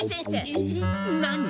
えっ何？